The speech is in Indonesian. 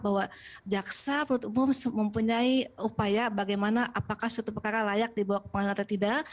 bahwa jaksa penutup umum mempunyai upaya bagaimana apakah suatu perkara layak dibawa ke pengadilan atau tidak